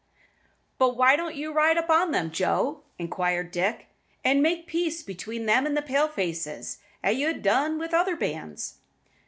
"But why don't you ride up to them, Joe," inquired Dick, "and make peace between them and the Pale faces, as you ha' done with other bands?"